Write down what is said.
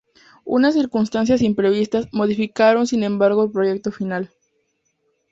Unas circunstancias imprevistas modificaron sin embargo el proyecto inicial.